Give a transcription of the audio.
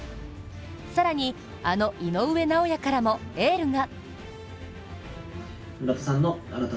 更に、あの井上尚弥からもエールが。